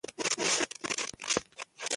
زموږ خاوره زموږ عزت دی.